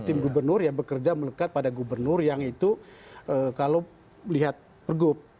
tim gubernur yang bekerja melekat pada gubernur yang itu kalau melihat pergub